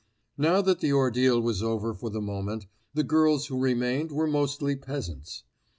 Now that the ordeal was over for the moment, the girls who remained were mostly peasants.